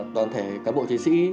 toàn thể các bộ chiến sĩ